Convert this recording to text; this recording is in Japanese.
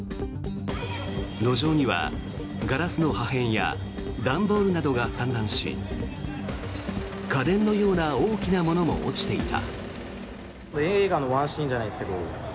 路上にはガラスの破片や段ボールなどが散乱し家電のような大きなものも落ちていた。